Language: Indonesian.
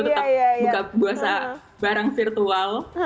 tetap buka barang virtual